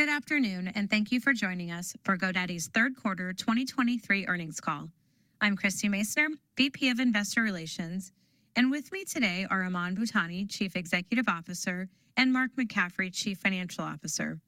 Good afternoon and thank you for joining us for GoDaddy's third quarter 2023 earnings call. I'm Christie Masoner, VP of Investor Relations, and with me today are Aman Bhutani, Chief Executive Officer, and Mark McCaffrey, Chief Financial Officer.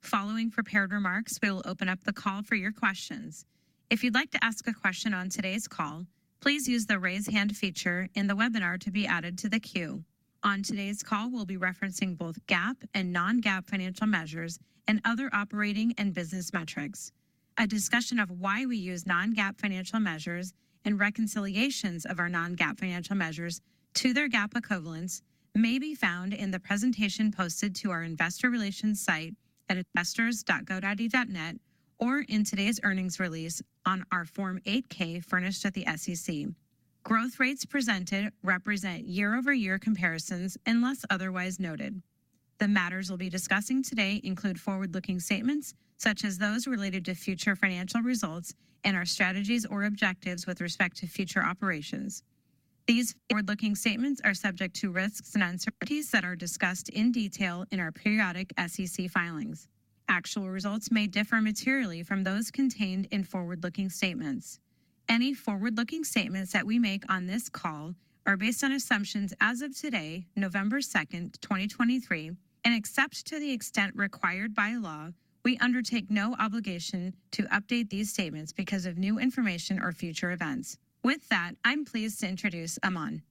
Following prepared remarks, we will open up the call for your questions. If you'd like to ask a question on today's call, please use the Raise Hand feature in the webinar to be added to the queue. On today's call, we'll be referencing both GAAP and non-GAAP financial measures and other operating and business metrics. A discussion of why we use non-GAAP financial measures and reconciliations of our non-GAAP financial measures to their GAAP equivalents may be found in the presentation posted to our investor relations site at investors.godaddy.net or in today's earnings release on our Form 8-K furnished at the SEC. Growth rates presented represent year-over-year comparisons unless otherwise noted. The matters we'll be discussing today include forward-looking statements, such as those related to future financial results and our strategies or objectives with respect to future operations. These forward-looking statements are subject to risks and uncertainties that are discussed in detail in our periodic SEC filings. Actual results may differ materially from those contained in forward-looking statements. Any forward-looking statements that we make on this call are based on assumptions as of today, November 2, 2023, and except to the extent required by law, we undertake no obligation to update these statements because of new information or future events. With that, I'm pleased to introduce Aman.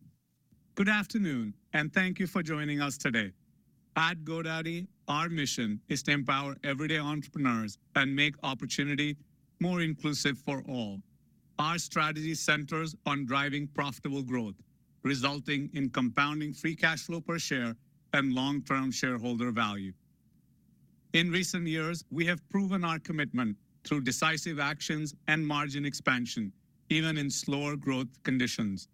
Good afternoon, and thank you for joining us today. At GoDaddy, our mission is to empower everyday entrepreneurs and make opportunity more inclusive for all. Our strategy centers on driving profitable growth, resulting in compounding free cash flow per share and long-term shareholder value. In recent years, we have proven our commitment through decisive actions and margin expansion, even in slower growth conditions.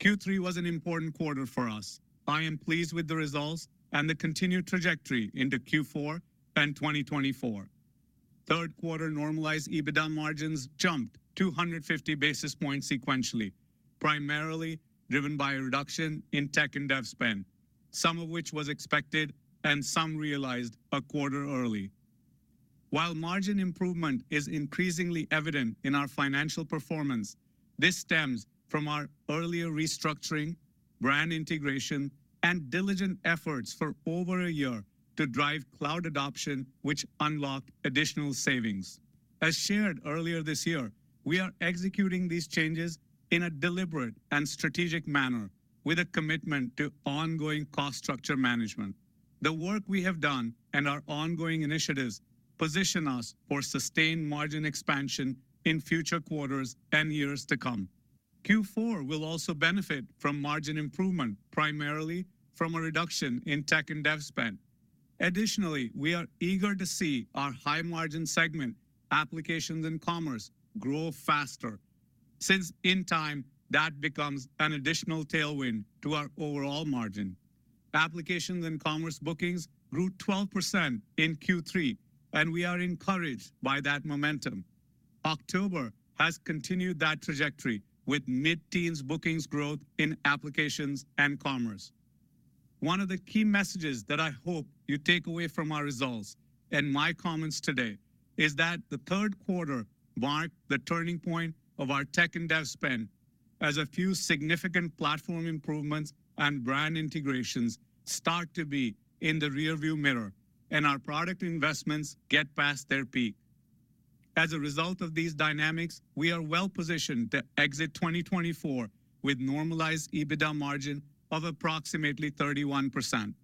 Q3 was an important quarter for us. I am pleased with the results and the continued trajectory into Q4 and 2024. Third quarter normalized EBITDA margins jumped 250 basis points sequentially, primarily driven by a reduction in tech and dev spend, some of which was expected and some realized a quarter early. While margin improvement is increasingly evident in our financial performance, this stems from our earlier restructuring, brand integration, and diligent efforts for over a year to drive cloud adoption, which unlocked additional savings. As shared earlier this year, we are executing these changes in a deliberate and strategic manner with a commitment to ongoing cost structure management. The work we have done and our ongoing initiatives position us for sustained margin expansion in future quarters and years to come. Q4 will also benefit from margin improvement, primarily from a reduction in Tech and Dev spend. Additionally, we are eager to see our high-margin segment, Applications and Commerce, grow faster since in time that becomes an additional tailwind to our overall margin. Applications and Commerce bookings grew 12% in Q3, and we are encouraged by that momentum. October has continued that trajectory, with mid-teens bookings growth in Applications and Commerce. One of the key messages that I hope you take away from our results and my comments today is that the third quarter marked the turning point of our Tech and Dev spend, as a few significant platform improvements and brand integrations start to be in the rearview mirror and our product investments get past their peak. As a result of these dynamics, we are well-positioned to exit 2024 with normalized EBITDA margin of approximately 31%,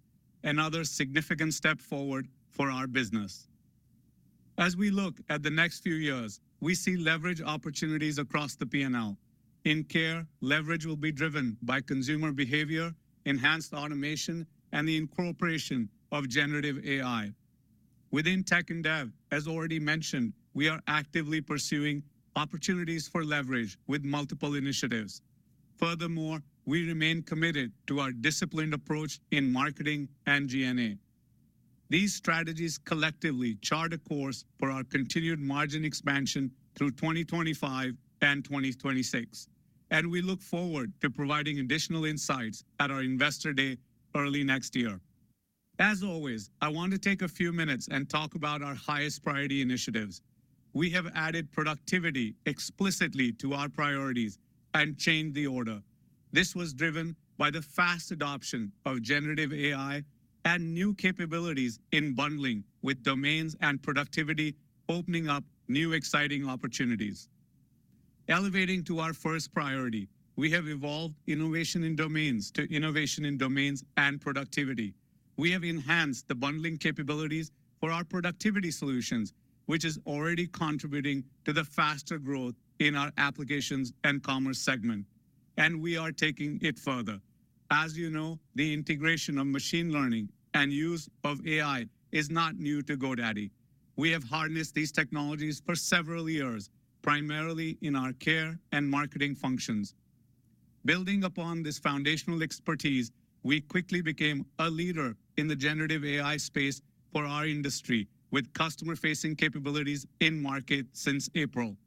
another significant step forward for our business. As we look at the next few years, we see leverage opportunities across the P&L. In core, leverage will be driven by consumer behavior, enhanced automation, and the incorporation of generative AI. Within Tech and Dev, as already mentioned, we are actively pursuing opportunities for leverage with multiple initiatives. Furthermore, we remain committed to our disciplined approach in marketing and G&A. These strategies collectively chart a course for our continued margin expansion through 2025 and 2026, and we look forward to providing additional insights at our Investor Day early next year. As always, I want to take a few minutes and talk about our highest priority initiatives. We have added productivity explicitly to our priorities and changed the order. This was driven by the fast adoption of generative AI and new capabilities in bundling with domains and productivity, opening up new, exciting opportunities. Elevating to our first priority, we have evolved innovation in domains to innovation in domains and productivity. We have enhanced the bundling capabilities for our productivity solutions, which is already contributing to the faster growth in our applications and commerce segment, and we are taking it further. As you know, the integration of machine learning and use of AI is not new to GoDaddy. We have harnessed these technologies for several years, primarily in our care and marketing functions. Building upon this foundational expertise, we quickly became a leader in the generative AI space for our industry, with customer-facing capabilities in market since April.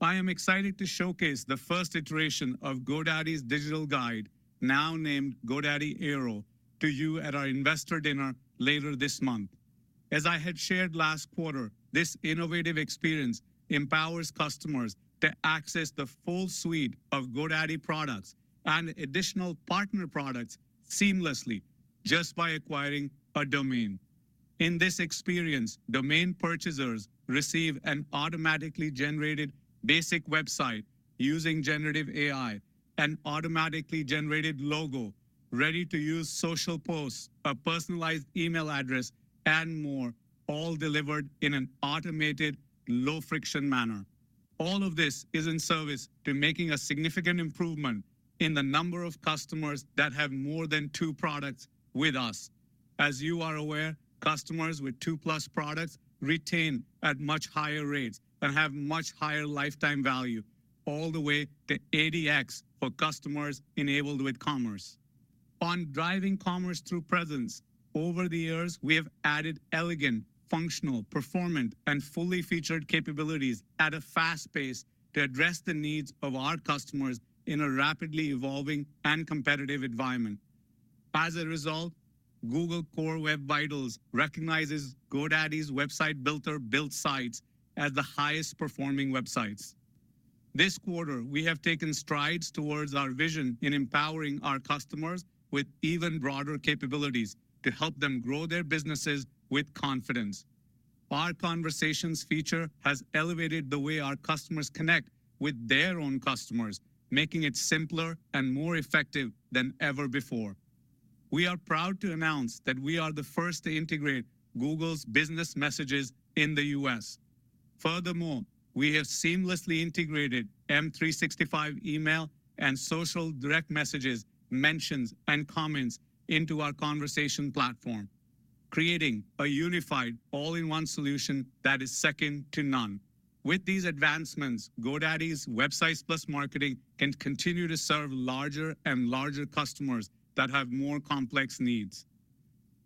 I am excited to showcase the first iteration of GoDaddy's digital guide, now named GoDaddy Airo, to you at our investor dinner later this month. As I had shared last quarter, this innovative experience empowers customers to access the full suite of GoDaddy products and additional partner products seamlessly just by acquiring a domain. In this experience, domain purchasers receive an automatically generated basic website using generative AI, an automatically generated logo, ready-to-use social posts, a personalized email address, and more, all delivered in an automated, low-friction manner. All of this is in service to making a significant improvement in the number of customers that have more than two products with us. As you are aware, customers with two-plus products retain at much higher rates and have much higher lifetime value all the way to ADX for customers enabled with commerce. On driving commerce through presence, over the years, we have added elegant, functional, performant, and fully featured capabilities at a fast pace to address the needs of our customers in a rapidly evolving and competitive environment. As a result, Google Core Web Vitals recognizes GoDaddy's website builder built sites as the highest-performing websites. This quarter, we have taken strides towards our vision in empowering our customers with even broader capabilities to help them grow their businesses with confidence. Our Conversations feature has elevated the way our customers connect with their own customers, making it simpler and more effective than ever before. We are proud to announce that we are the first to integrate Google's Business Messages in the U.S. Furthermore, we have seamlessly integrated M365 email and social direct messages, mentions, and comments into our Conversations platform, creating a unified all-in-one solution that is second to none. With these advancements, GoDaddy's Websites + Marketing can continue to serve larger and larger customers that have more complex needs.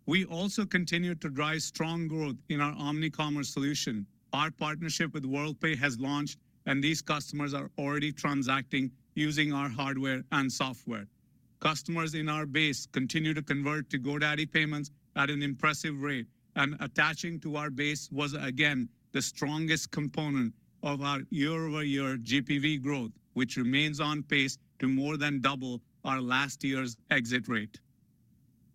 We also continue to drive strong growth in our Omnicommerce solution. Our partnership with Worldpay has launched, and these customers are already transacting using our hardware and software. Customers in our base continue to convert to GoDaddy Payments at an impressive rate, and attaching to our base was again the strongest component of our year-over-year GPV growth, which remains on pace to more than double our last year's exit rate.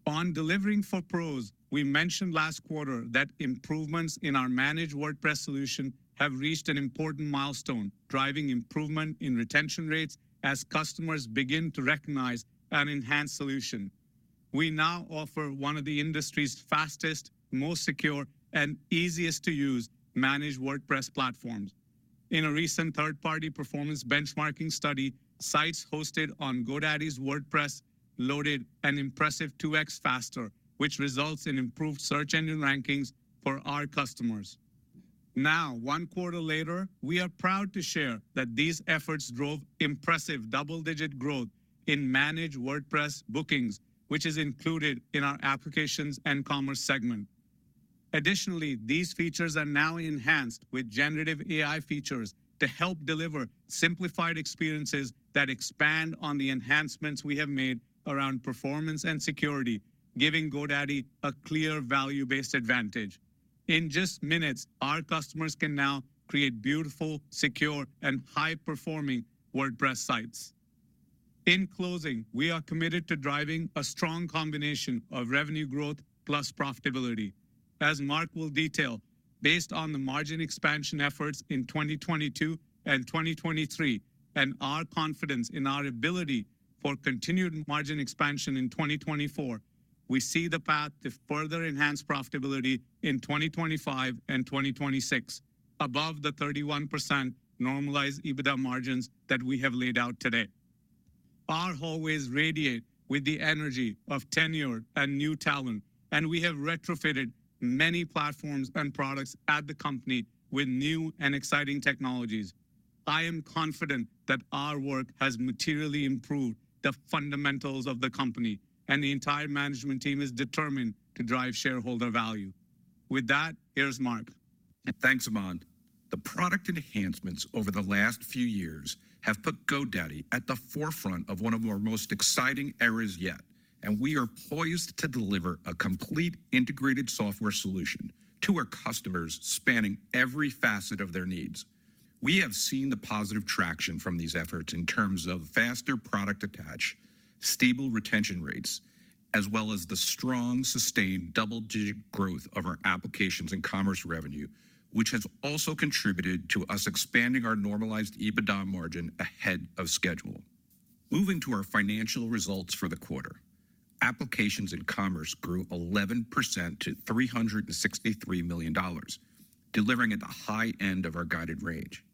On delivering for pros, we mentioned last quarter that improvements in our managed WordPress solution have reached an important milestone, driving improvement in retention rates as customers begin to recognize an enhanced solution. We now offer one of the industry's fastest, most secure, and easiest-to-use managed WordPress platforms. In a recent third-party performance benchmarking study, sites hosted on GoDaddy's WordPress loaded an impressive 2x faster, which results in improved search engine rankings for our customers. Now, one quarter later, we are proud to share that these efforts drove impressive double-digit growth in managed WordPress bookings, which is included in our applications and commerce segment. Additionally, these features are now enhanced with generative AI features to help deliver simplified experiences that expand on the enhancements we have made around performance and security, giving GoDaddy a clear value-based advantage. In just minutes, our customers can now create beautiful, secure, and high-performing WordPress sites. In closing, we are committed to driving a strong combination of revenue growth plus profitability. As Mark will detail, based on the margin expansion efforts in 2022 and 2023, and our confidence in our ability for continued margin expansion in 2024, we see the path to further enhance profitability in 2025 and 2026 above the 31% normalized EBITDA margins that we have laid out today. Our hallways radiate with the energy of tenure and new talent, and we have retrofitted many platforms and products at the company with new and exciting technologies. I am confident that our work has materially improved the fundamentals of the company, and the entire management team is determined to drive shareholder value. With that, here's Mark. Thanks, Aman. The product enhancements over the last few years have put GoDaddy at the forefront of one of our most exciting eras yet, and we are poised to deliver a complete integrated software solution to our customers, spanning every facet of their needs. We have seen the positive traction from these efforts in terms of faster product attach, stable retention rates, as well as the strong, sustained double-digit growth of our applications and commerce revenue, which has also contributed to us expanding our normalized EBITDA margin ahead of schedule. Moving to our financial results for the quarter. Applications and commerce grew 11% to $363 million, delivering at the high end of our guided range.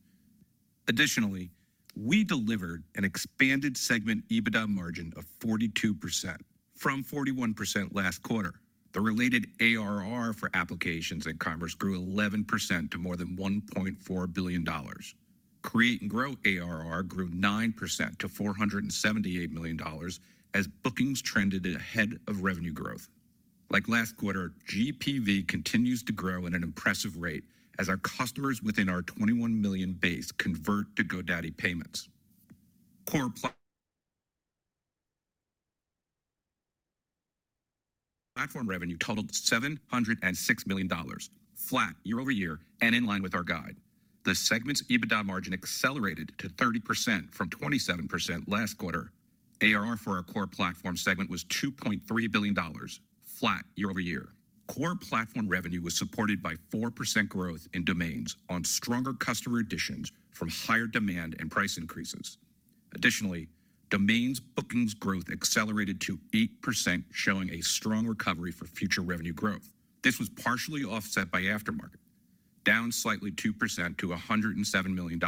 Additionally, we delivered an expanded segment EBITDA margin of 42% from 41% last quarter. The related ARR for applications and commerce grew 11% to more than $1.4 billion. Create and Grow ARR grew 9% to $478 million as bookings trended ahead of revenue growth. Like last quarter, GPV continues to grow at an impressive rate as our customers within our 21 million base converts to GoDaddy Payments. Core Platform revenue totaled $706 million, flat year-over-year and in line with our guide. The segment's EBITDA margin accelerated to 30% from 27% last quarter. ARR for our Core Platform segment was $2.3 billion, flat year-over-year. Core platform revenue was supported by 4% growth in domains on stronger customer additions from higher demand and price increases. Additionally, domains bookings growth accelerated to 8%, showing a strong recovery for future revenue growth. This was partially offset by Aftermarket, down slightly 2% to $107 million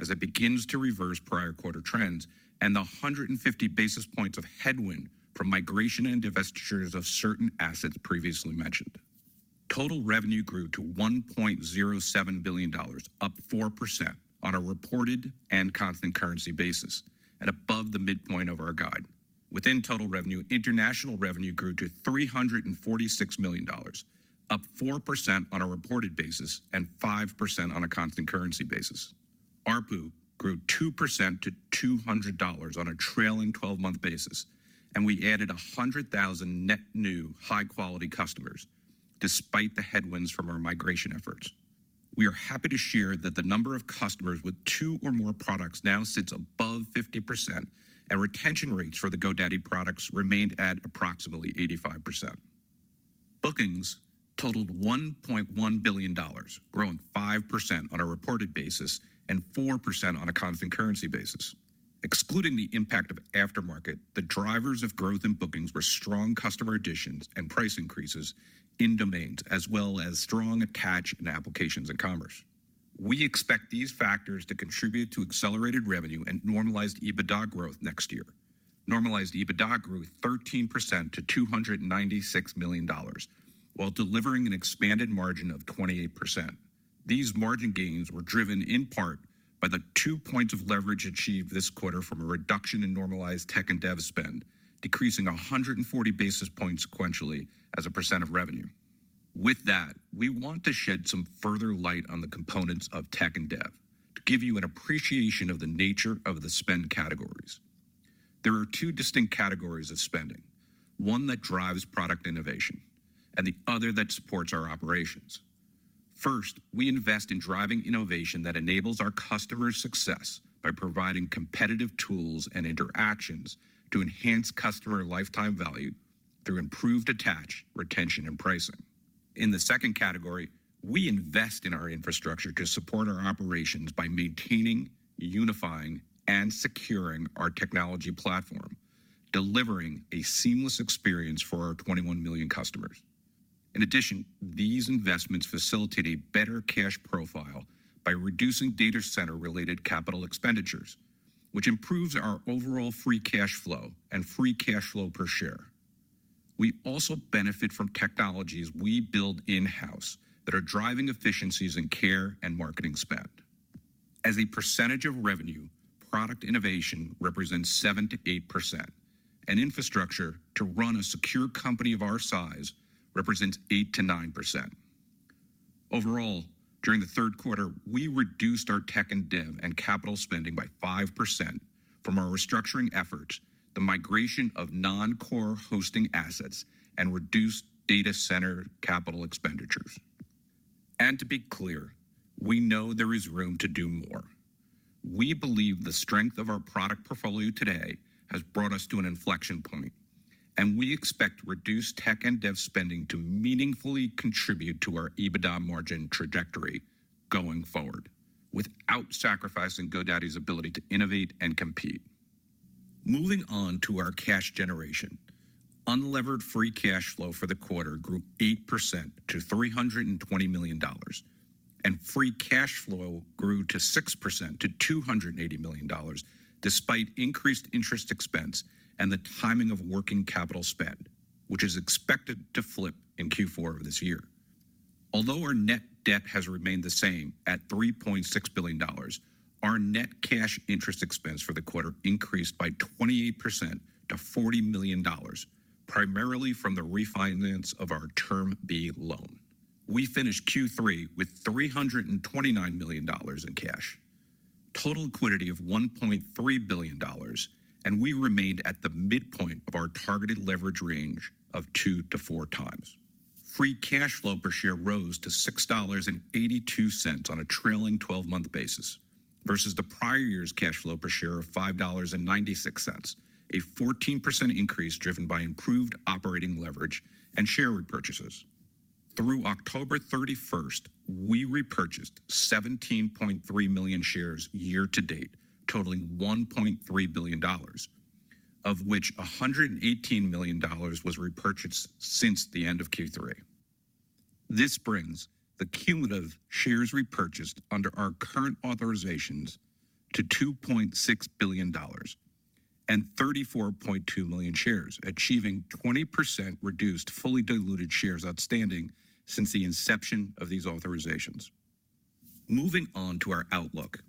as it begins to reverse prior quarter trends and the 150 basis points of headwind from migration and divestitures of certain assets previously mentioned. Total revenue grew to $1.07 billion, up 4% on a reported and constant currency basis and above the midpoint of our guide. Within total revenue, international revenue grew to $346 million, up 4% on a reported basis and 5% on a constant currency basis. ARPU grew 2% to $200 on a trailing twelve-month basis, and we added 100,000 net new high-quality customers, despite the headwinds from our migration efforts. We are happy to share that the number of customers with two or more products now sits above 50%, and retention rates for the GoDaddy products remained at approximately 85%. Bookings totaled $1.1 billion, growing 5% on a reported basis and 4% on a constant currency basis. Excluding the impact of aftermarket, the drivers of growth in bookings were strong customer additions and price increases in domains, as well as strong attach in applications and commerce. We expect these factors to contribute to accelerated revenue and normalized EBITDA growth next year. Normalized EBITDA grew 13% to $296 million while delivering an expanded margin of 28%. These margin gains were driven in part by the two points of leverage achieved this quarter from a reduction in normalized tech and dev spend, decreasing 140 basis points sequentially as a % of revenue. With that, we want to shed some further light on the components of tech and dev to give you an appreciation of the nature of the spend categories. There are two distinct categories of spending: one that drives product innovation and the other that supports our operations. First, we invest in driving innovation that enables our customers' success by providing competitive tools and interactions to enhance customer lifetime value through improved attach, retention, and pricing. In the second category, we invest in our infrastructure to support our operations by maintaining, unifying, and securing our technology platform, delivering a seamless experience for our 21 million customers. In addition, these investments facilitate a better cash profile by reducing data center-related capital expenditures, which improves our overall Free Cash Flow and Free Cash Flow per share. We also benefit from technologies we build in-house that are driving efficiencies in care and marketing spend. As a percentage of revenue, product innovation represents 7%-8%, and infrastructure to run a secure company of our size represents 8%-9%. Overall, during the third quarter, we reduced our Tech and Dev and capital spending by 5% from our restructuring efforts, the migration of non-core hosting assets, and reduced data center capital expenditures. And to be clear, we know there is room to do more. We believe the strength of our product portfolio today has brought us to an inflection point, and we expect reduced Tech and Dev spending to meaningfully contribute to our EBITDA margin trajectory going forward without sacrificing GoDaddy's ability to innovate and compete. Moving on to our cash generation. Unlevered Free Cash Flow for the quarter grew 8% to $320 million, and Free Cash Flow grew 6% to $280 million, despite increased interest expense and the timing of working capital spend, which is expected to flip in Q4 of this year. Although our net debt has remained the same at $3.6 billion, our net cash interest expense for the quarter increased by 28% to $40 million, primarily from the refinance of our Term B loan. We finished Q3 with $329 million in cash, total liquidity of $1.3 billion, and we remained at the midpoint of our targeted leverage range of 2-4x. Free Cash Flow per share rose to $6.82 on a trailing twelve-month basis versus the prior year's cash flow per share of $5.96, a 14% increase driven by improved operating leverage and share repurchases. Through October 31, we repurchased 17.3 million shares year to date, totaling $1.3 billion, of which $118 million was repurchased since the end of Q3. This brings the cumulative shares repurchased under our current authorizations to $2.6 billion and 34.2 million shares, achieving 20% reduced fully diluted shares outstanding since the inception of these authorizations.... Moving on to our outlook.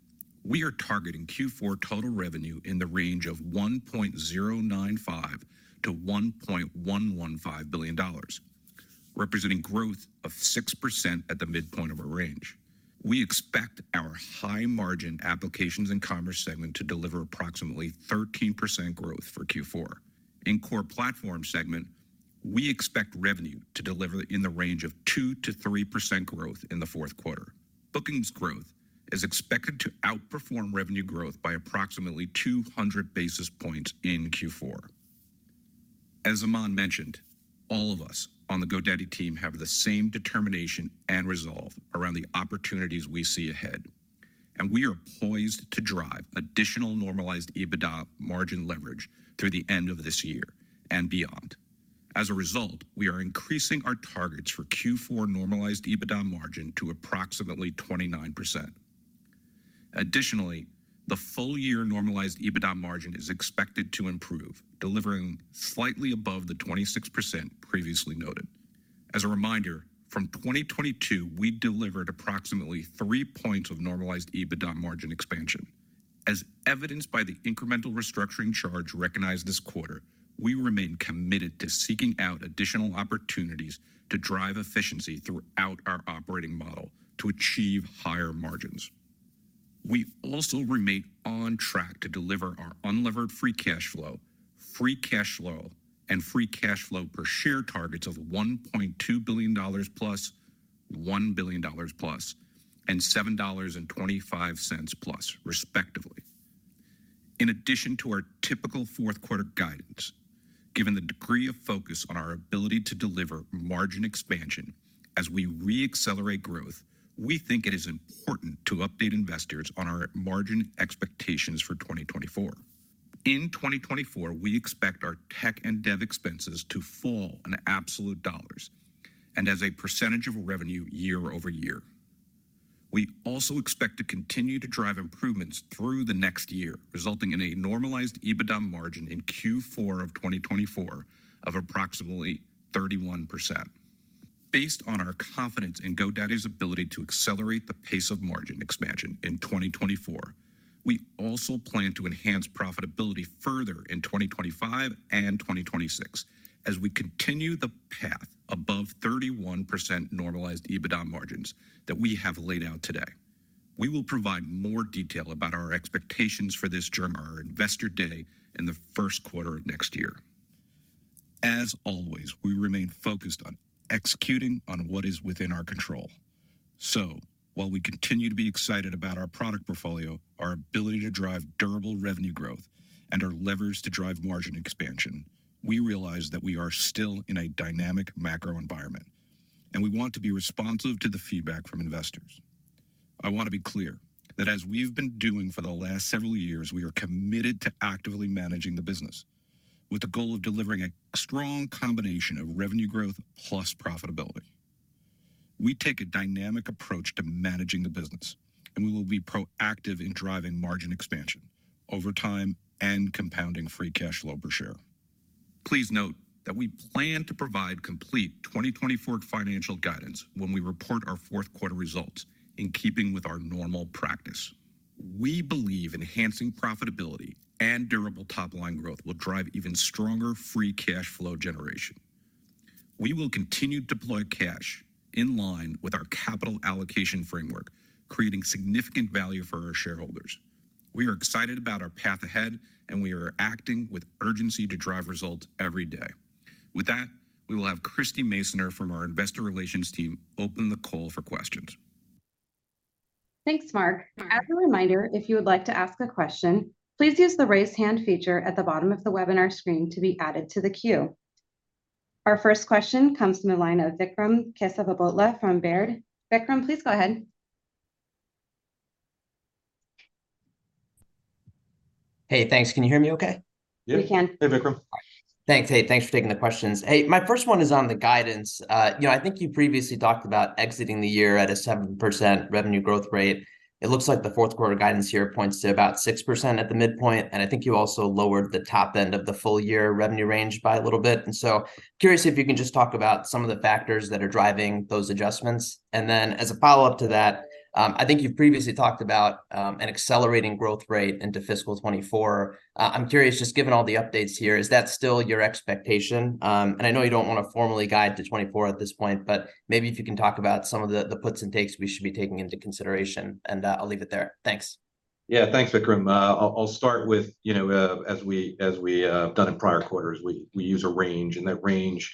We are targeting Q4 total revenue in the range of $1.095 billion-$1.115 billion, representing growth of 6% at the midpoint of our range. We expect our high-margin applications and commerce segment to deliver approximately 13% growth for Q4. In core platform segment, we expect revenue to deliver in the range of 2%-3% growth in the fourth quarter. Bookings growth is expected to outperform revenue growth by approximately 200 basis points in Q4. As Aman mentioned, all of us on the GoDaddy team have the same determination and resolve around the opportunities we see ahead, and we are poised to drive additional normalized EBITDA margin leverage through the end of this year and beyond. As a result, we are increasing our targets for Q4 normalized EBITDA margin to approximately 29%. Additionally, the full-year normalized EBITDA margin is expected to improve, delivering slightly above the 26% previously noted. As a reminder, from 2022, we delivered approximately 3 points of normalized EBITDA margin expansion. As evidenced by the incremental restructuring charge recognized this quarter, we remain committed to seeking out additional opportunities to drive efficiency throughout our operating model to achieve higher margins. We also remain on track to deliver our unlevered free cash flow, free cash flow, and free cash flow per share targets of $1.2 billion+, $1 billion+, and $7.25+, respectively. In addition to our typical fourth quarter guidance, given the degree of focus on our ability to deliver margin expansion as we re-accelerate growth, we think it is important to update investors on our margin expectations for 2024. In 2024, we expect our tech and dev expenses to fall in absolute dollars and as a percentage of revenue year over year. We also expect to continue to drive improvements through the next year, resulting in a normalized EBITDA margin in Q4 of 2024 of approximately 31%. Based on our confidence in GoDaddy's ability to accelerate the pace of margin expansion in 2024, we also plan to enhance profitability further in 2025 and 2026 as we continue the path above 31% normalized EBITDA margins that we have laid out today. We will provide more detail about our expectations for this during our Investor Day in the first quarter of next year. As always, we remain focused on executing on what is within our control. So while we continue to be excited about our product portfolio, our ability to drive durable revenue growth, and our levers to drive margin expansion, we realize that we are still in a dynamic macro environment, and we want to be responsive to the feedback from investors. I want to be clear that as we've been doing for the last several years, we are committed to actively managing the business with the goal of delivering a strong combination of revenue growth plus profitability. We take a dynamic approach to managing the business, and we will be proactive in driving margin expansion over time and compounding free cash flow per share. Please note that we plan to provide complete 2024 financial guidance when we report our fourth quarter results, in keeping with our normal practice. We believe enhancing profitability and durable top-line growth will drive even stronger free cash flow generation. We will continue to deploy cash in line with our capital allocation framework, creating significant value for our shareholders. We are excited about our path ahead, and we are acting with urgency to drive results every day. With that, we will have Christie Masoner from our investor relations team open the call for questions. Thanks, Mark. As a reminder, if you would like to ask a question, please use the Raise Hand feature at the bottom of the webinar screen to be added to the queue. Our first question comes from the line of Vikram Kesavabhotla from Baird. Vikram, please go ahead. Hey, thanks. Can you hear me okay? Yeah. We can. Hey, Vikram. Thanks. Hey, thanks for taking the questions. Hey, my first one is on the guidance. You know, I think you previously talked about exiting the year at a 7% revenue growth rate. It looks like the fourth quarter guidance here points to about 6% at the midpoint, and I think you also lowered the top end of the full-year revenue range by a little bit. And so curious if you can just talk about some of the factors that are driving those adjustments. And then as a follow-up to that, I think you've previously talked about an accelerating growth rate into fiscal 2024. I'm curious, just given all the updates here, is that still your expectation? And I know you don't want to formally guide to 2024 at this point, but maybe if you can talk about some of the, the puts and takes we should be taking into consideration, and I'll leave it there. Thanks. Yeah. Thanks, Vikram. I'll start with, you know, as we have done in prior quarters, we use a range, and that range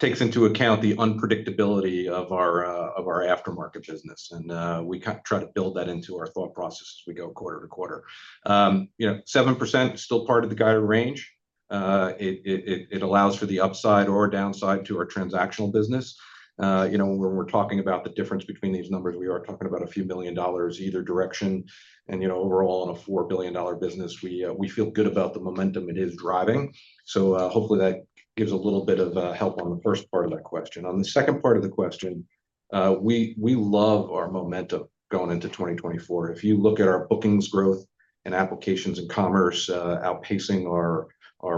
takes into account the unpredictability of our aftermarket business, and we try to build that into our thought process as we go quarter to quarter. You know, 7% is still part of the guided range. It allows for the upside or downside to our transactional business. You know, when we're talking about the difference between these numbers, we are talking about a few million dollars either direction, and, you know, overall, in a $4 billion business, we feel good about the momentum it is driving. So, hopefully, that gives a little bit of help on the first part of that question. On the second part of the question, we love our momentum going into 2024. If you look at our bookings growth-and applications and commerce, outpacing our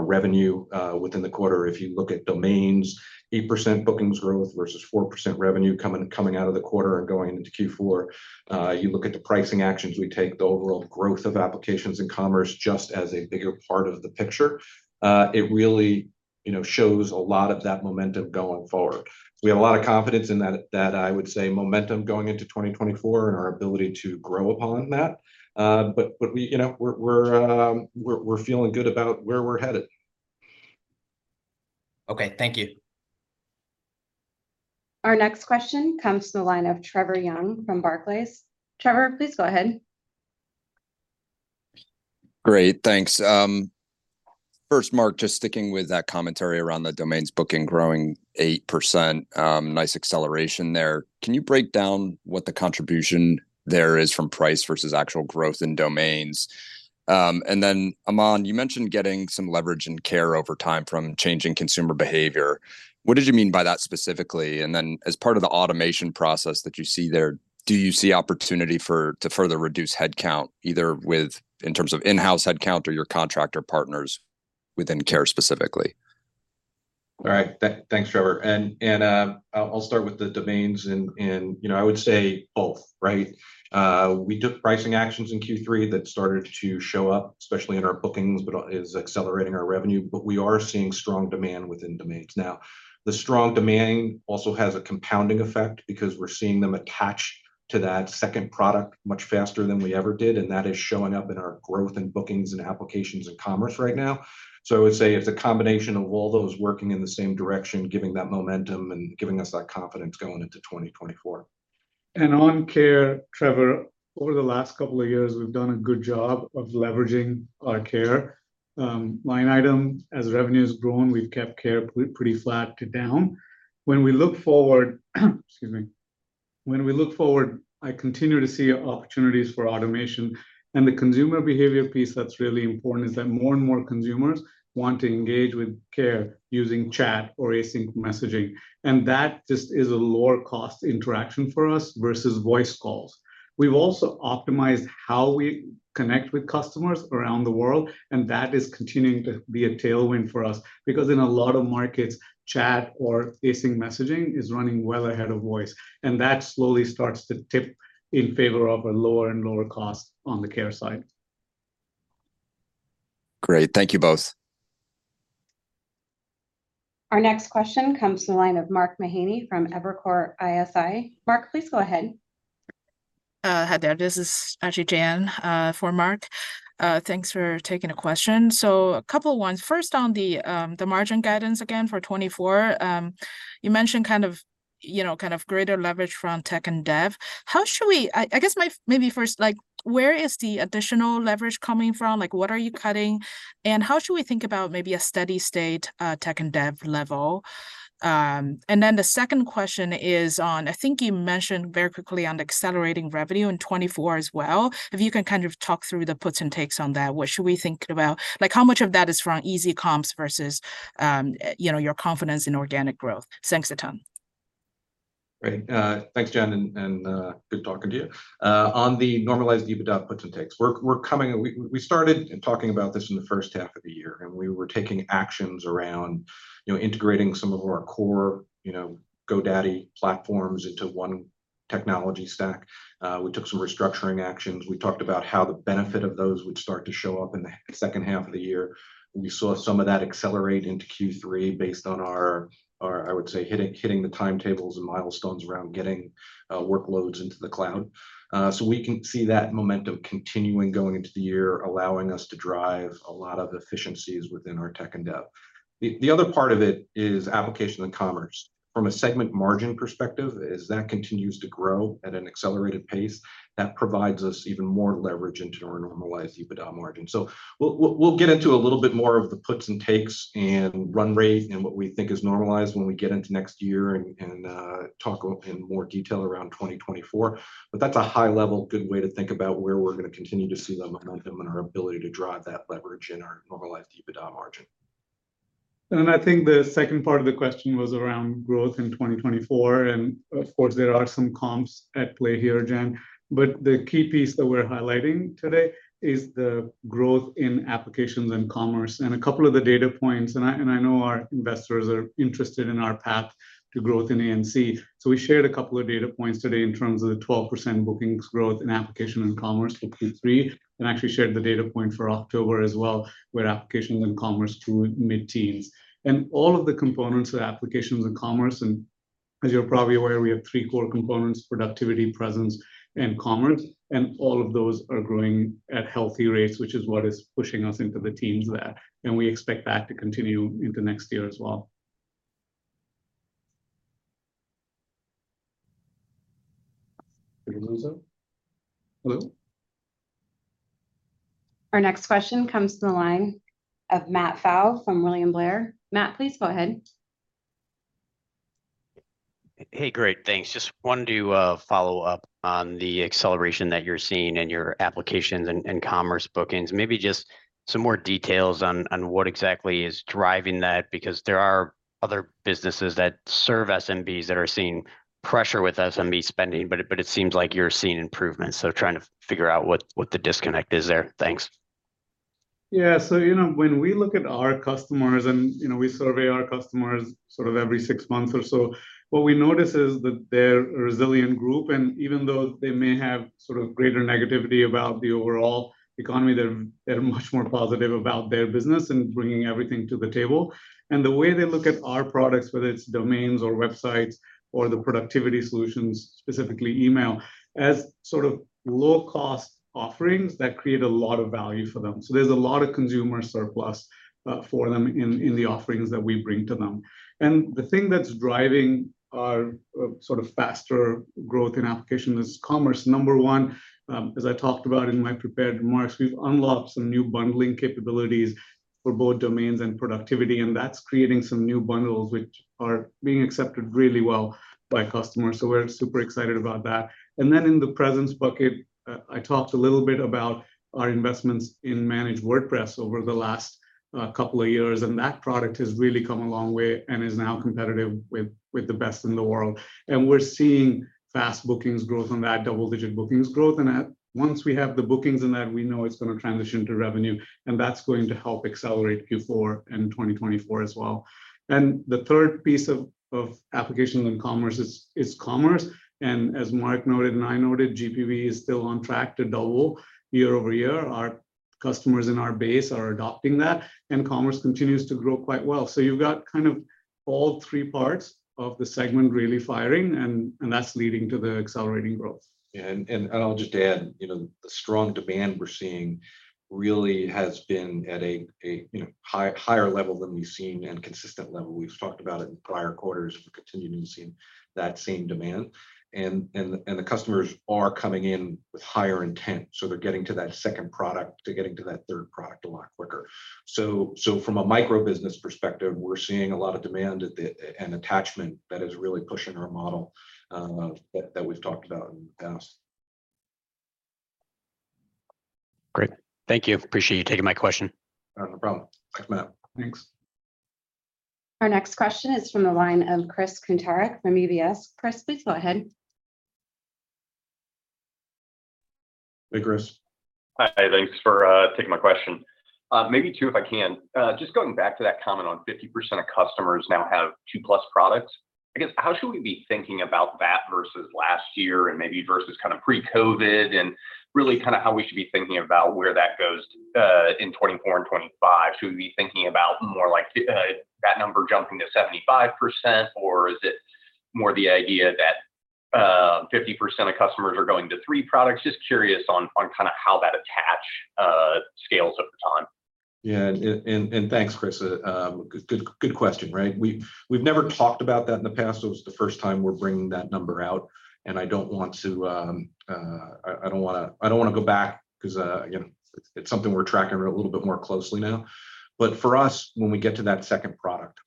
revenue within the quarter. If you look at domains, 8% bookings growth versus 4% revenue coming out of the quarter and going into Q4. You look at the pricing actions we take, the overall growth of applications and commerce just as a bigger part of the picture, it really, you know, shows a lot of that momentum going forward. We have a lot of confidence in that, that I would say momentum going into 2024 and our ability to grow upon that. But we, you know, we're feeling good about where we're headed. Okay, thank you. Our next question comes to the line of Trevor Young from Barclays. Trevor, please go ahead. Great, thanks. First, Mark, just sticking with that commentary around the domains booking growing 8%, nice acceleration there. Can you break down what the contribution there is from price versus actual growth in domains? And then, Aman, you mentioned getting some leverage in care over time from changing consumer behavior. What did you mean by that specifically? And then, as part of the automation process that you see there, do you see opportunity to further reduce headcount, either with in terms of in-house headcount or your contractor partners within care specifically? All right. Thanks, Trevor. I'll start with the domains and, you know, I would say both, right? We took pricing actions in Q3 that started to show up, especially in our bookings, but is accelerating our revenue. But we are seeing strong demand within domains. Now, the strong demand also has a compounding effect, because we're seeing them attach to that second product much faster than we ever did, and that is showing up in our growth in bookings and applications and commerce right now. So I would say it's a combination of all those working in the same direction, giving that momentum and giving us that confidence going into 2024. On care, Trevor, over the last couple of years, we've done a good job of leveraging our care. Line item, as revenue has grown, we've kept care pretty flat to down. When we look forward, excuse me, when we look forward, I continue to see opportunities for automation. And the consumer behavior piece that's really important is that more and more consumers want to engage with care using chat or async messaging, and that just is a lower cost interaction for us versus voice calls. We've also optimized how we connect with customers around the world, and that is continuing to be a tailwind for us. Because in a lot of markets, chat or async messaging is running well ahead of voice, and that slowly starts to tip in favor of a lower and lower cost on the care side. Great. Thank you both. Our next question comes to the line of Mark Mahaney from Evercore ISI. Mark, please go ahead. Hi there. This is actually Jan for Mark. Thanks for taking the question. So a couple of ones. First, on the margin guidance again for 2024, you mentioned kind of, you know, kind of greater leverage from tech and dev. How should we... maybe first, like, where is the additional leverage coming from? Like, what are you cutting, and how should we think about maybe a steady state, tech and dev level? And then the second question is on, I think you mentioned very quickly on accelerating revenue in 2024 as well. If you can kind of talk through the puts and takes on that, what should we think about? Like, how much of that is from easy comps versus, you know, your confidence in organic growth? (Thanks a ton). Great. Thanks, Jian, and good talking to you. On the Normalized EBITDA puts and takes, we started talking about this in the first half of the year, and we were taking actions around, you know, integrating some of our core, you know, GoDaddy platforms into one technology stack. We took some restructuring actions. We talked about how the benefit of those would start to show up in the second half of the year. We saw some of that accelerate into Q3 based on our I would say hitting the timetables and milestones around getting workloads into the cloud. So we can see that momentum continuing going into the year, allowing us to drive a lot of efficiencies within our tech and dev. The other part of it is application and commerce. From a segment margin perspective, as that continues to grow at an accelerated pace, that provides us even more leverage into our Normalized EBITDA margin. So we'll get into a little bit more of the puts and takes, and run rate, and what we think is normalized when we get into next year and talk in more detail around 2024. But that's a high-level good way to think about where we're gonna continue to see the momentum and our ability to drive that leverage in our Normalized EBITDA margin. I think the second part of the question was around growth in 2024, and of course, there are some comps at play here, Jan. But the key piece that we're highlighting today is the growth in applications and commerce. A couple of the data points, and I, and I know our investors are interested in our path to growth in A&C, so we shared a couple of data points today in terms of the 12% bookings growth in application and commerce for Q3, and actually shared the data point for October as well, where applications and commerce grew mid-teens. All of the components of applications and commerce, and as you're probably aware, we have three core components: productivity, presence, and commerce. All of those are growing at healthy rates, which is what is pushing us into the teens there, and we expect that to continue into next year as well. Did we lose her? Hello? Our next question comes to the line of Matt Pfau from William Blair. Matt, please go ahead. Hey, great, thanks. Just wanted to follow up on the acceleration that you're seeing in your applications and commerce bookings. Maybe just some more details on what exactly is driving that, because there are other businesses that serve SMBs that are seeing pressure with SMB spending, but it seems like you're seeing improvements. So trying to figure out what the disconnect is there. Thanks.... Yeah, so you know, when we look at our customers, and, you know, we survey our customers sort of every six months or so, what we notice is that they're a resilient group, and even though they may have sort of greater negativity about the overall economy, they're, they're much more positive about their business and bringing everything to the table. And the way they look at our products, whether it's domains or websites or the productivity solutions, specifically email, as sort of low-cost offerings that create a lot of value for them. So there's a lot of consumer surplus for them in the offerings that we bring to them. And the thing that's driving our sort of faster growth in application is commerce. Number one, as I talked about in my prepared remarks, we've unlocked some new bundling capabilities for both domains and productivity, and that's creating some new bundles, which are being accepted really well by customers, so we're super excited about that. And then in the presence bucket, I talked a little bit about our investments in managed WordPress over the last couple of years, and that product has really come a long way and is now competitive with the best in the world. And we're seeing fast bookings growth on that, double-digit bookings growth, and once we have the bookings in that, we know it's gonna transition to revenue, and that's going to help accelerate Q4 and 2024 as well. The third piece of applications and commerce is commerce, and as Mark noted and I noted, GPV is still on track to double year-over-year. Our customers in our base are adopting that, and commerce continues to grow quite well. So you've got kind of all three parts of the segment really firing, and that's leading to the accelerating growth. I'll just add, you know, the strong demand we're seeing really has been at a higher level than we've seen and consistent level. We've talked about it in prior quarters. We continue to see that same demand. And the customers are coming in with higher intent, so they're getting to that second product. They're getting to that third product a lot quicker. So from a microbusiness perspective, we're seeing a lot of demand at the... and attachment that is really pushing our model, that we've talked about in the past. Great. Thank you. Appreciate you taking my question. No problem. Thanks, Matt. Thanks. Our next question is from the line of Chris Kuntarich from UBS. Chris, please go ahead. Hey, Chris. Hi, thanks for taking my question. Maybe two, if I can. Just going back to that comment on 50% of customers now have 2+ products, I guess, how should we be thinking about that versus last year and maybe versus kind of pre-COVID, and really kind of how we should be thinking about where that goes in 2024 and 2025? Should we be thinking about more like that number jumping to 75%, or is it more the idea that 50% of customers are going to 3 products? Just curious on kind of how that attach scales over time. Yeah, and thanks, Chris. Good question, right? We've never talked about that in the past, so it's the first time we're bringing that number out, and I don't want to go back 'cause, again, it's something we're tracking a little bit more closely now. But for us, when we get to that second product,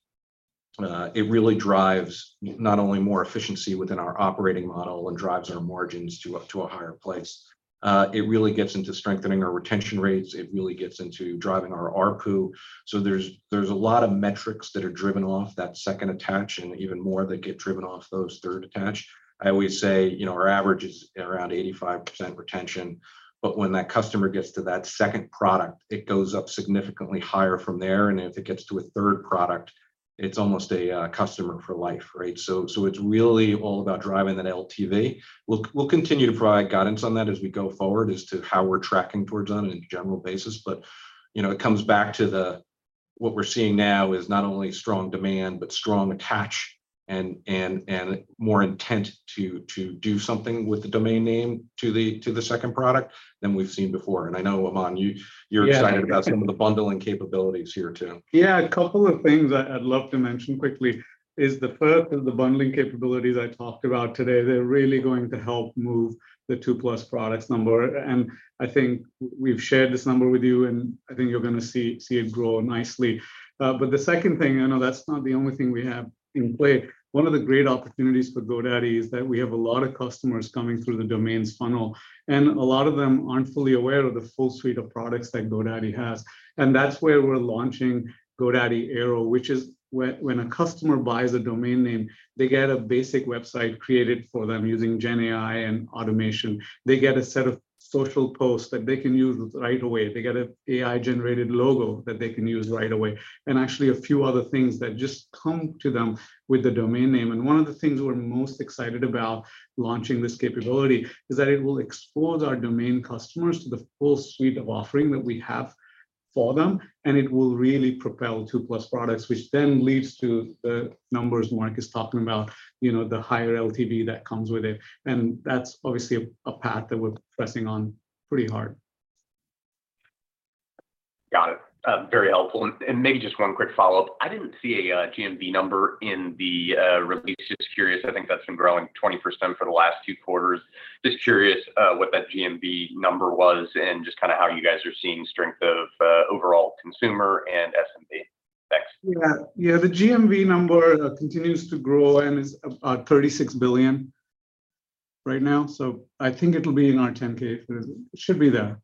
it really drives not only more efficiency within our operating model and drives our margins up to a higher place, it really gets into strengthening our retention rates. It really gets into driving our ARPU. So there's a lot of metrics that are driven off that second attach and even more that get driven off those third attach. I always say, you know, our average is around 85% retention, but when that customer gets to that second product, it goes up significantly higher from there, and if it gets to a third product, it's almost a customer for life, right? So it's really all about driving that LTV. We'll continue to provide guidance on that as we go forward as to how we're tracking towards on a general basis. But, you know, it comes back to the—what we're seeing now is not only strong demand, but strong attach and more intent to do something with the domain name to the second product than we've seen before. And I know, Aman, you— Yeah... you're excited about some of the bundling capabilities here, too. Yeah, a couple of things I, I'd love to mention quickly is the first of the bundling capabilities I talked about today. They're really going to help move the two-plus products number, and I think we've shared this number with you, and I think you're gonna see, see it grow nicely. But the second thing, I know that's not the only thing we have in play. One of the great opportunities for GoDaddy is that we have a lot of customers coming through the domains funnel, and a lot of them aren't fully aware of the full suite of products that GoDaddy has, and that's where we're launching GoDaddy Airo, which is when a customer buys a domain name, they get a basic website created for them using GenAI and automation. They get a set of social posts that they can use right away. They get an AI-generated logo that they can use right away, and actually a few other things that just come to them with the domain name. One of the things we're most excited about launching this capability is that it will expose our domain customers to the full suite of offering that we have for them, and it will really propel two-plus products, which then leads to the numbers Mark is talking about, you know, the higher LTV that comes with it, and that's obviously a path that we're pressing on pretty hard. Got it. Very helpful. And maybe just one quick follow-up. I didn't see a GMV number in the release. Just curious, I think that's been growing 20% for the last two quarters. Just curious, what that GMV number was and just kind of how you guys are seeing strength of overall consumer and SMB. Thanks. Yeah. Yeah, the GMV number continues to grow and is about $36 billion right now, so I think it'll be in our 10-K. If it isn't, it should be there.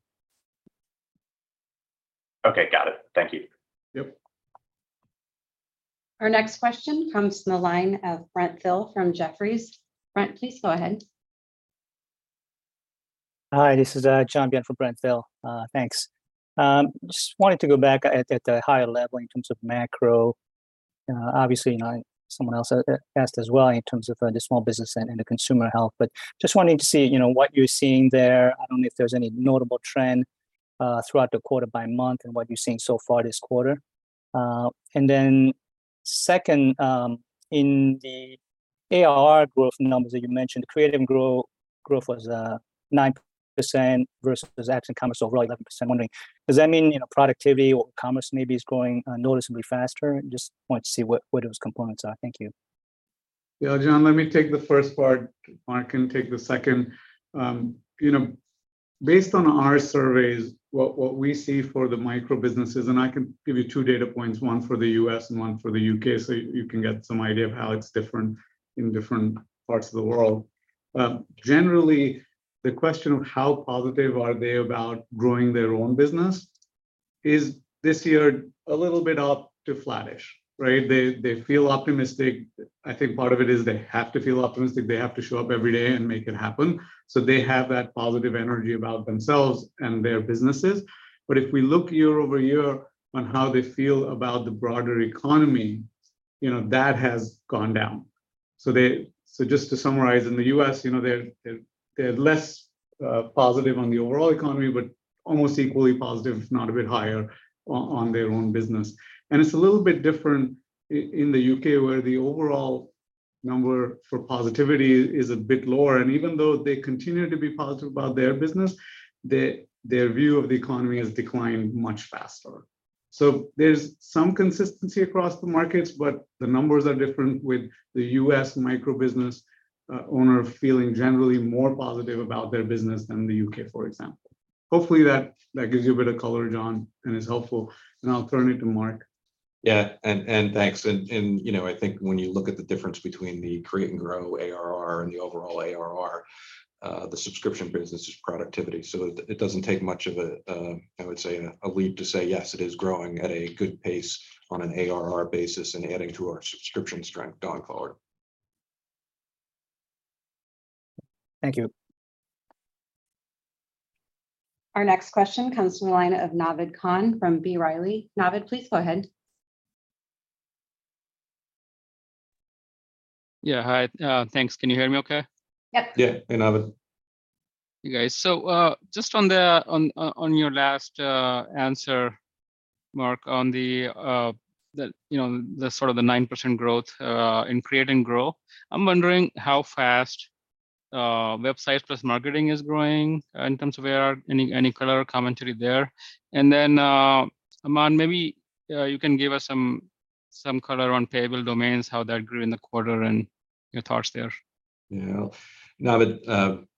Okay, got it. Thank you. Yep.... Our next question comes from the line of Brent Thill from Jefferies. Brent, please go ahead. Hi, this is John Byun in for Brent Thill. Thanks. Just wanted to go back at the higher level in terms of macro. Obviously, you know, someone else asked as well in terms of the small business and the consumer health, but just wanting to see, you know, what you're seeing there. I don't know if there's any notable trend throughout the quarter by month and what you're seeing so far this quarter. And then second, in the ARR growth numbers that you mentioned, create and grow growth was 9% versus actual commerce over 11%. I'm wondering, does that mean, you know, productivity or commerce maybe is growing noticeably faster? Just want to see what those components are. Thank you. Yeah, John, let me take the first part, Mark can take the second. You know, based on our surveys, what we see for the micro businesses, and I can give you two data points, one for the U.S. and one for the U.K., so you can get some idea of how it's different in different parts of the world. Generally, the question of how positive are they about growing their own business is this year a little bit up to flattish, right? They feel optimistic. I think part of it is they have to feel optimistic. They have to show up every day and make it happen, so they have that positive energy about themselves and their businesses. But if we look year-over-year on how they feel about the broader economy, you know, that has gone down. So just to summarize, in the U.S., you know, they're less positive on the overall economy, but almost equally positive, if not a bit higher, on their own business. And it's a little bit different in the U.K., where the overall number for positivity is a bit lower. And even though they continue to be positive about their business, their view of the economy has declined much faster. So there's some consistency across the markets, but the numbers are different with the US microbusiness owner feeling generally more positive about their business than the U.K., for example. Hopefully that gives you a bit of color, John, and is helpful. And I'll turn it to Mark. Yeah, and thanks. And, you know, I think when you look at the difference between the create and grow ARR and the overall ARR, the subscription business is productivity. So it doesn't take much of a, I would say, a leap to say, yes, it is growing at a good pace on an ARR basis and adding to our subscription strength going forward. Thank you. Our next question comes from the line of Naved Khan from B. Riley. Naved, please go ahead. Yeah, hi, thanks. Can you hear me okay? Yep. Yeah. Hey, Naved. Hey, guys. So, just on your last answer, Mark, on the, you know, the sort of 9% growth in create and grow. I'm wondering how fast Websites + Marketing is growing in terms of ARR. Any color or commentary there? And then, Aman, maybe you can give us some color on Payable Domains, how that grew in the quarter and your thoughts there? Yeah. Naved,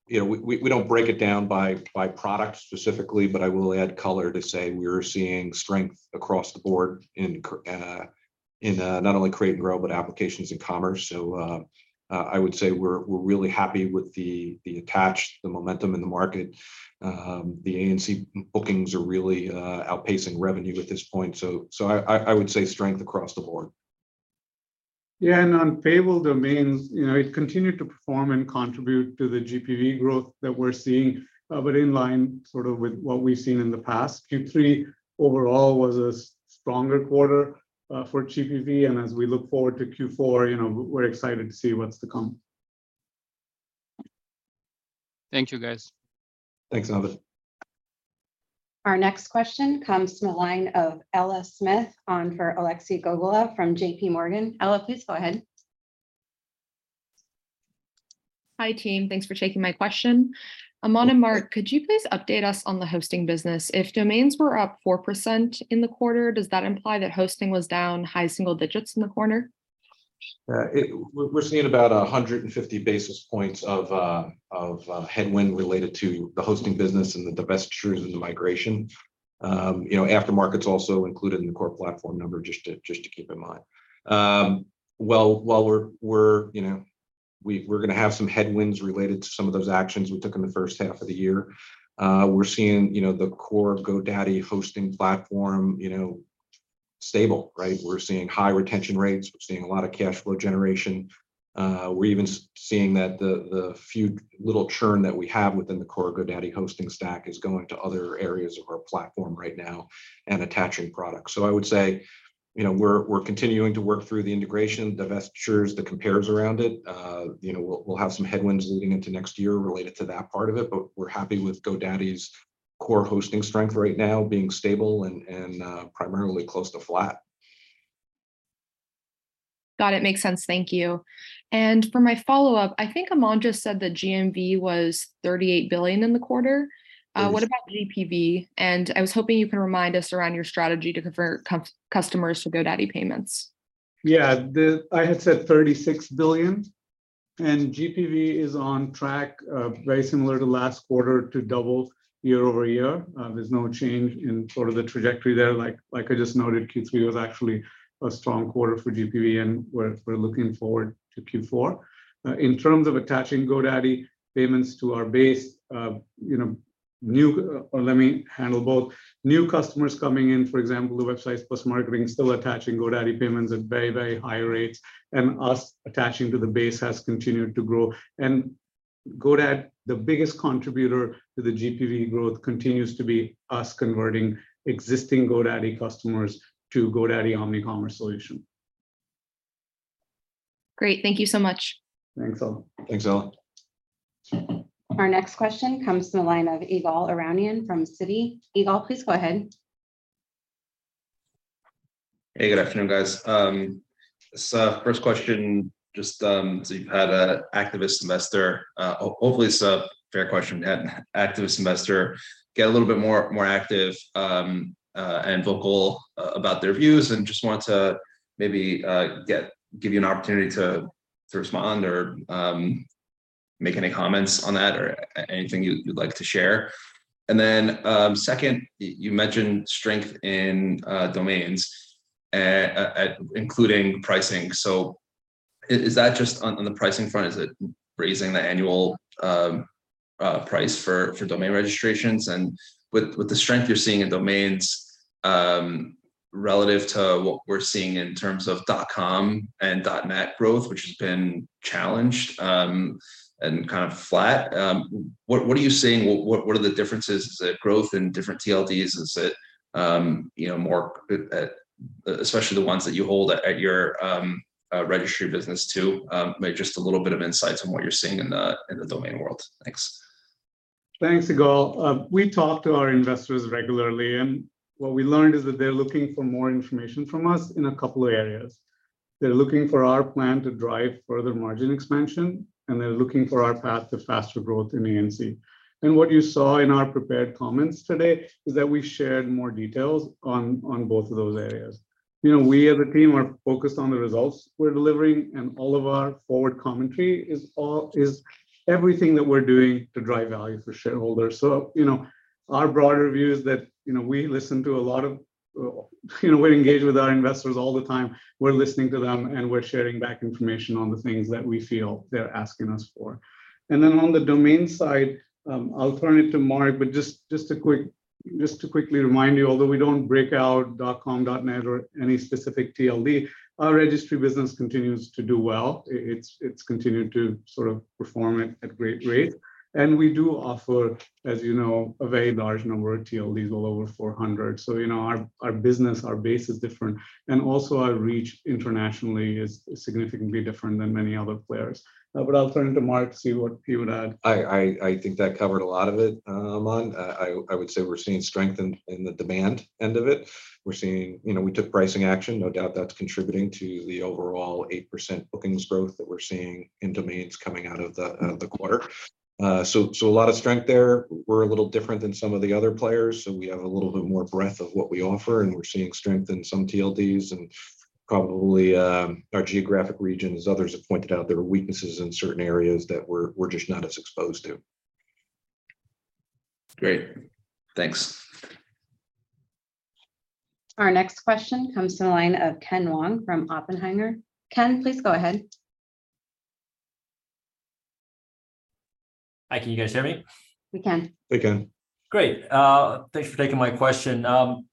you know, we don't break it down by product specifically, but I will add color to say we're seeing strength across the board in not only create and grow, but applications and commerce. So, I would say we're really happy with the attached, the momentum in the market. The ANC bookings are really outpacing revenue at this point. So, I would say strength across the board. Yeah, and on payable domains, you know, it continued to perform and contribute to the GPV growth that we're seeing, but in line sort of with what we've seen in the past. Q3 overall was a stronger quarter for GPV, and as we look forward to Q4, you know, we're excited to see what's to come. Thank you, guys. Thanks, Naved. Our next question comes from the line of Ella Smith on for Alexei Gogolev from JP Morgan. Ella, please go ahead. Hi, team. Thanks for taking my question. Aman and Mark, could you please update us on the hosting business? If domains were up 4% in the quarter, does that imply that hosting was down high single digits in the quarter? We're seeing about 150 basis points of headwind related to the hosting business and the divestitures and the migration. You know, aftermarkets also included in the core platform number, just to keep in mind. Well, while we're gonna have some headwinds related to some of those actions we took in the first half of the year, we're seeing the core GoDaddy hosting platform stable, right? We're seeing high retention rates. We're seeing a lot of cash flow generation. We're even seeing that the few little churn that we have within the core GoDaddy hosting stack is going to other areas of our platform right now and attaching products. So I would say, you know, we're continuing to work through the integration, divestitures, the compares around it. You know, we'll have some headwinds leading into next year related to that part of it, but we're happy with GoDaddy's core hosting strength right now being stable and primarily close to flat. Got it. Makes sense. Thank you. For my follow-up, I think Aman just said that GMV was $38 billion in the quarter. It is. What about GPV? I was hoping you can remind us around your strategy to convert customers to GoDaddy Payments. Yeah, I had said $36 billion, and GPV is on track, very similar to last quarter, to double year-over-year. There's no change in sort of the trajectory there. Like, I just noted, Q3 was actually a strong quarter for GPV, and we're looking forward to Q4. In terms of attaching GoDaddy Payments to our base, you know, or let me handle both. New customers coming in, for example, the Websites + Marketing still attaching GoDaddy Payments at very, very high rates, and us attaching to the base has continued to grow. And GoDaddy, the biggest contributor to the GPV growth continues to be us converting existing GoDaddy customers to GoDaddy Omnicommerce solution. Great. Thank you so much. Thanks, Ella. Thanks, Ella. Our next question comes from the line of Ygal Arounian from Citi. Igal, please go ahead. Hey, good afternoon, guys. So, first question, just, so you've had an activist investor, hopefully it's a fair question. Had an activist semester, get a little bit more, more active, and vocal about their views, and just want to maybe, get, give you an opportunity to, to respond or, make any comments on that, or anything you'd, you'd like to share. And then, second, you mentioned strength in domains, at, including pricing. So is that just on, on the pricing front, is it raising the annual price for, for domain registrations? And with, with the strength you're seeing in domains, relative to what we're seeing in terms of .com and .net growth, which has been challenged, and kind of flat, what, what, what are the differences? Is it growth in different TLDs? Is it, you know, more, especially the ones that you hold at your registry business too? Maybe just a little bit of insight on what you're seeing in the domain world. Thanks. Thanks, Igal. We talk to our investors regularly, and what we learned is that they're looking for more information from us in a couple of areas. They're looking for our plan to drive further margin expansion, and they're looking for our path to faster growth in ANC. And what you saw in our prepared comments today is that we shared more details on both of those areas. You know, we as a team are focused on the results we're delivering, and all of our forward commentary is everything that we're doing to drive value for shareholders. So, you know, our broader view is that, you know, we listen to a lot of, you know, we engage with our investors all the time. We're listening to them, and we're sharing back information on the things that we feel they're asking us for. And then on the domain side, I'll turn it to Mark, but just a quick to quickly remind you, although we don't break out .com, .net or any specific TLD, our registry business continues to do well. It's continued to sort of perform at great rates. And we do offer, as you know, a very large number of TLDs, well over 400. So, you know, our business, our base is different, and also our reach internationally is significantly different than many other players. But I'll turn it to Mark to see what he would add. I think that covered a lot of it, Aman. I would say we're seeing strength in the demand end of it. We're seeing. You know, we took pricing action, no doubt that's contributing to the overall 8% bookings growth that we're seeing in domains coming out of the quarter. So a lot of strength there. We're a little different than some of the other players, so we have a little bit more breadth of what we offer, and we're seeing strength in some TLDs and probably our geographic region, as others have pointed out, there are weaknesses in certain areas that we're just not as exposed to. Great. Thanks. Our next question comes from the line of Ken Wong from Oppenheimer. Ken, please go ahead. Hi, can you guys hear me? We can. We can. Great. Thanks for taking my question.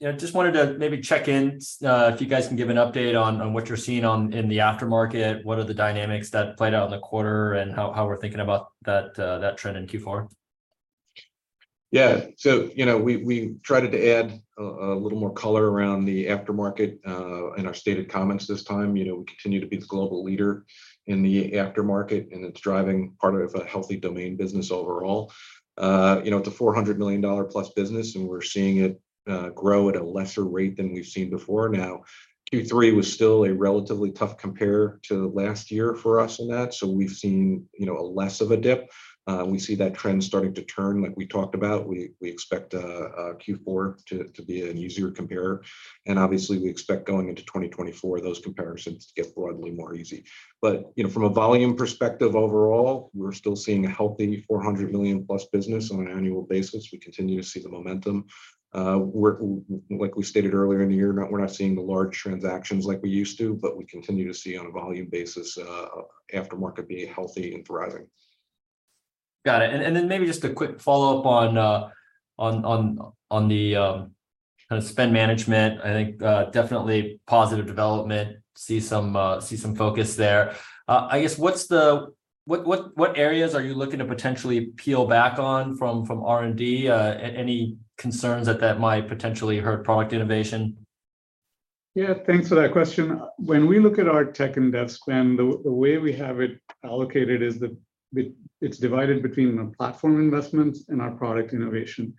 Yeah, just wanted to maybe check in, if you guys can give an update on what you're seeing in the aftermarket, what are the dynamics that played out in the quarter, and how we're thinking about that trend in Q4? Yeah. So, you know, we tried to add a little more color around the aftermarket in our stated comments this time. You know, we continue to be the global leader in the aftermarket, and it's driving part of a healthy domain business overall. You know, it's a $400 million-plus business, and we're seeing it grow at a lesser rate than we've seen before. Now, Q3 was still a relatively tough compare to last year for us in that, so we've seen, you know, a less of a dip. We see that trend starting to turn, like we talked about. We expect Q4 to be an easier comparer, and obviously, we expect going into 2024, those comparisons to get broadly more easy. But, you know, from a volume perspective overall, we're still seeing a healthy $400 million+ business on an annual basis. We continue to see the momentum. We're, like we stated earlier in the year, we're not seeing the large transactions like we used to, but we continue to see on a volume basis, aftermarket being healthy and thriving. Got it. And then maybe just a quick follow-up on the kind of spend management, I think, definitely positive development. See some focus there. I guess, what's the... What areas are you looking to potentially peel back on from R&D? Any concerns that that might potentially hurt product innovation? Yeah, thanks for that question. When we look at our Tech and Dev spend, the way we have it allocated is that it's divided between our platform investments and our product innovation.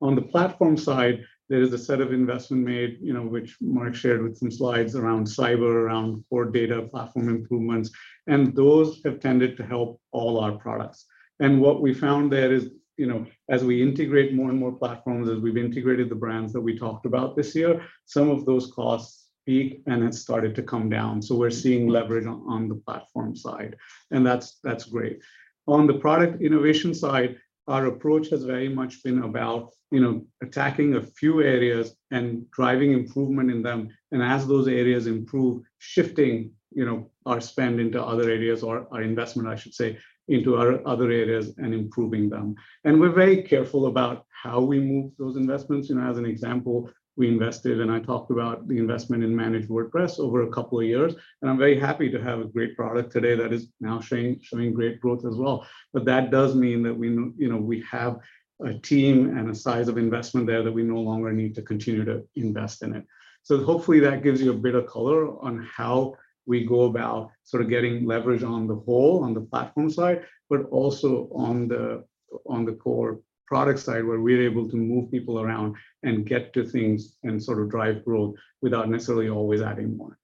On the platform side, there is a set of investment made, you know, which Mark shared with some slides around cyber, around core data platform improvements, and those have tended to help all our products. And what we found there is, you know, as we integrate more and more platforms, as we've integrated the brands that we talked about this year, some of those costs peak, and it started to come down. So we're seeing leverage on the platform side, and that's great. On the product innovation side, our approach has very much been about, you know, attacking a few areas and driving improvement in them, and as those areas improve, shifting, you know, our spend into other areas, or our investment, I should say, into other, other areas and improving them. We're very careful about how we move those investments. You know, as an example, we invested, and I talked about the investment in managed WordPress over a couple of years, and I'm very happy to have a great product today that is now showing, showing great growth as well. But that does mean that we, you know, we have a team and a size of investment there that we no longer need to continue to invest in it. Hopefully that gives you a bit of color on how we go about sort of getting leverage on the whole, on the platform side, but also on the, on the core product side, where we're able to move people around and get to things and sort of drive growth without necessarily always adding more.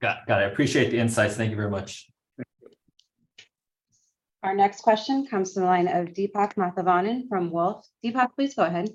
Got, got it. I appreciate the insights. Thank you very much. Our next question comes from the line of Deepak Mathivanan from Wolfe. Deepak, please go ahead.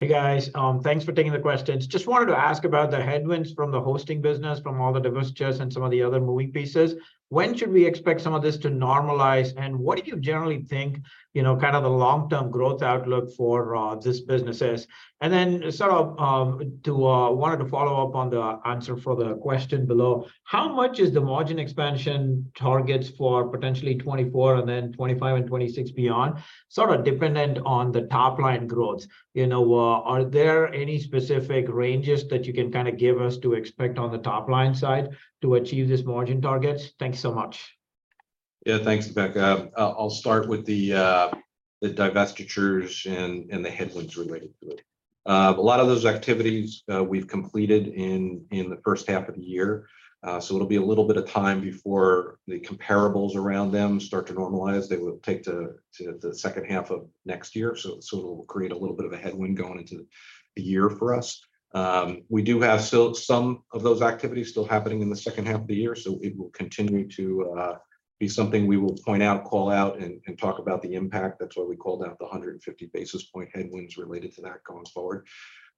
Hey, guys. Thanks for taking the questions. Just wanted to ask about the headwinds from the hosting business, from all the divestitures and some of the other moving pieces. When should we expect some of this to normalize, and what do you generally think, you know, kind of the long-term growth outlook for this business is? And then wanted to follow up on the answer for the question below. How much is the margin expansion targets for potentially 2024 and then 2025 and 2026 beyond, sort of dependent on the top line growth? You know, are there any specific ranges that you can kind of give us to expect on the top line side to achieve these margin targets? Thank you so much. Yeah, thanks, Deepak. I'll start with the, the divestitures and, and the headwinds related to it. A lot of those activities, we've completed in, in the first half of the year, so it'll be a little bit of time before the comparables around them start to normalize. They will take to, to the second half of next year, so, so it'll create a little bit of a headwind going into the year for us. We do have still some of those activities still happening in the second half of the year, so it will continue to be something we will point out, call out, and, and talk about the impact. That's why we called out the 150 basis point headwinds related to that going forward.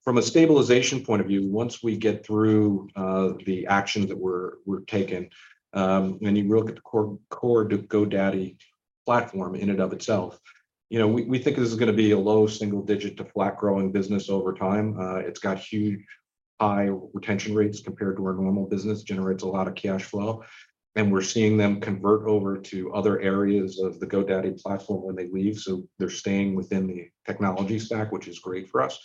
From a stabilization point of view, once we get through the actions that we're taking, when you look at the core, core GoDaddy platform in and of itself, you know, we think this is gonna be a low single digit to flat growing business over time. It's got huge, high retention rates compared to our normal business, generates a lot of cash flow, and we're seeing them convert over to other areas of the GoDaddy platform when they leave. So they're staying within the technology stack, which is great for us,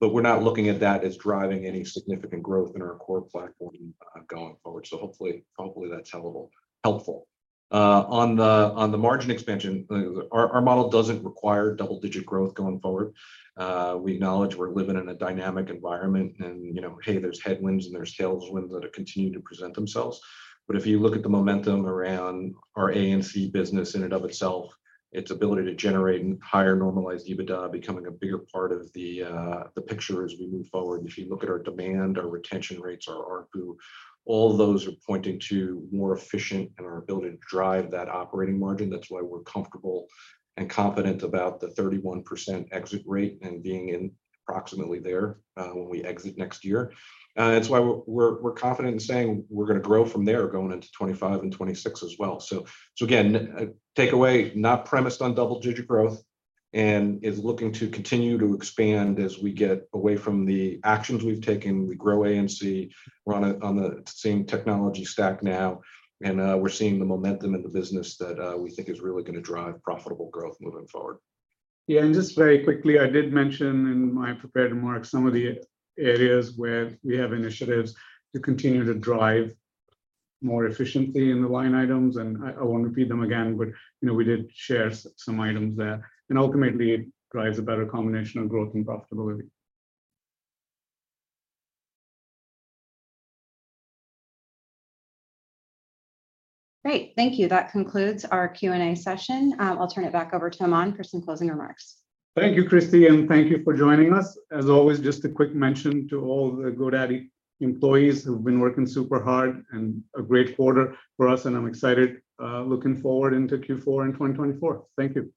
but we're not looking at that as driving any significant growth in our core platform going forward. So hopefully, that's helpful. Helpful. On the margin expansion, our model doesn't require double-digit growth going forward. We acknowledge we're living in a dynamic environment and, you know, hey, there's headwinds and there's tailwinds that are continuing to present themselves. But if you look at the momentum around our ANC business in and of itself, its ability to generate higher Normalized EBITDA, becoming a bigger part of the, the picture as we move forward. If you look at our demand, our retention rates, our ARPU, all those are pointing to more efficient and our ability to drive that operating margin. That's why we're comfortable and confident about the 31% exit rate and being in approximately there, when we exit next year. That's why we're, we're confident in saying we're gonna grow from there going into 2025 and 2026 as well. So again, takeaway, not premised on double-digit growth and is looking to continue to expand as we get away from the actions we've taken. We grow ANC, we're on the same technology stack now, and we're seeing the momentum in the business that we think is really gonna drive profitable growth moving forward. Yeah, and just very quickly, I did mention in my prepared remarks some of the areas where we have initiatives to continue to drive more efficiently in the line items, and I, I won't repeat them again, but, you know, we did share some items there. And ultimately, it drives a better combination of growth and profitability. Great. Thank you. That concludes our Q&A session. I'll turn it back over to Aman for some closing remarks. Thank you, Christie, and thank you for joining us. As always, just a quick mention to all the GoDaddy employees who've been working super hard and a great quarter for us, and I'm excited, looking forward into Q4 in 2024. Thank you.